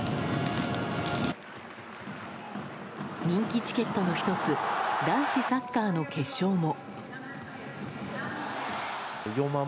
人気チケットの１つ男子サッカーの決勝も。